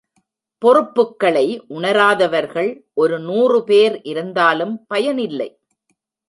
பொறுப்புக்களை உணராதவர்கள் ஒரு நூறுபேர் இருந்தாலும் பயன் இல்லை.